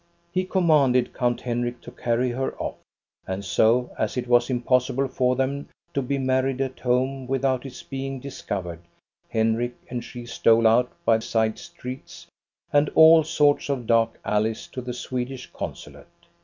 He commanded Count Henrik to carry her off. And so, as it was impossible for them to be married at home without its being discovered, Henrik and she stole out by side streets and all sorts of dark alleys to the Swedish consulate.